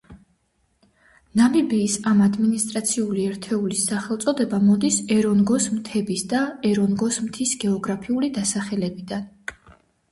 ნამიბიის ამ ადმინისტრაციული ერთეულის სახელწოდება მოდის ერონგოს მთების და ერონგოს მთის გეოგრაფიული დასახელებიდან.